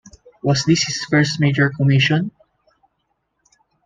Was this his first major commission?